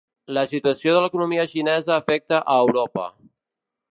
La situació de l'economia xinesa afecta a Europa.